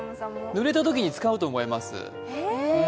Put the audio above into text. ぬれたときに使うと思います。